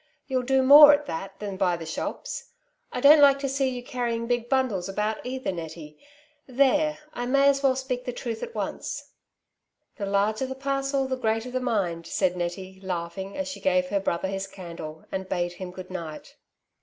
You'll do more at that than by the shops. I don't like to see you carrying big bundles about, either, Nettie. There, I may as well speak the truth at once." ''The larger the parcel the greater the mind/' said Nettie, laughing, as she gave her brother his candle, and bade him good night.